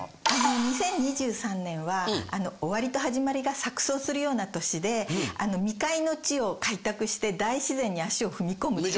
２０２３年は終わりと始まりが錯綜するような年で未開の地を開拓して大自然に足を踏み込むっていう。